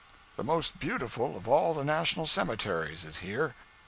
The most beautiful of all the national cemeteries is here.